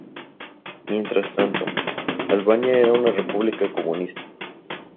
Mientras tanto, Albania era una república comunista.